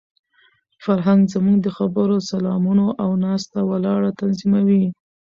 فرهنګ زموږ د خبرو، سلامونو او ناسته ولاړه تنظیموي.